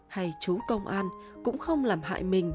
hay chú công an cũng không làm hại mình